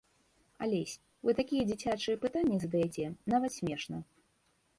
Алесь, вы такія дзіцячыя пытанні задаяце, нават смешна.